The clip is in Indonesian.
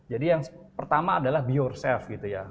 jadi yang pertama adalah be yourself gitu ya